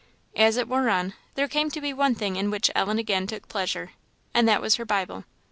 As it wore on, there came to be one thing in which Ellen again took pleasure, and that was her Bible.